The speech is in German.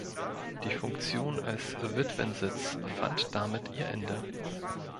Die Funktion als Witwensitz fand damit ihr Ende.